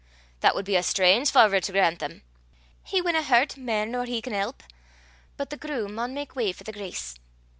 That wad be a strange fawvour to grant them! He winna hurt mair nor he can help; but the grue (horror) maun mak w'y for the grace.